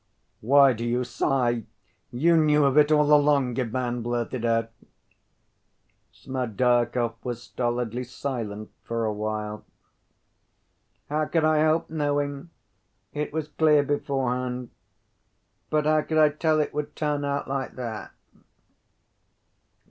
"Why do you sigh? You knew of it all along," Ivan blurted out. Smerdyakov was stolidly silent for a while. "How could I help knowing? It was clear beforehand. But how could I tell it would turn out like that?"